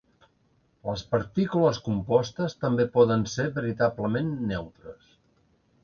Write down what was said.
Les partícules compostes també poden ser veritablement neutres.